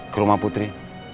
ke rumah putri